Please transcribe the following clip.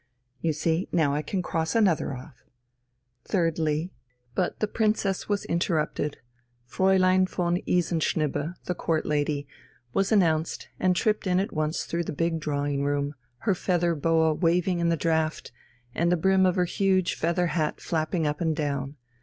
You see, now I can cross another off. Thirdly ..." But the Princess was interrupted. Fräulein von Isenschnibbe, the Court lady, was announced and tripped in at once through the big drawing room, her feather boa waving in the draught, and the brim of her huge feather hat flapping up and down.